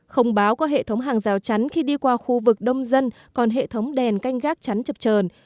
không báo qua hệ thống hàng rào chắn khi đi qua khu vực đông dân còn hệ thống đèn canh gác chắn chập trờn